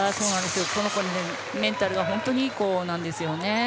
この子はメンタルが本当にいい子なんですよね。